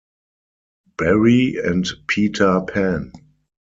Barrie and Peter Pan.